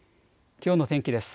きょうの天気です。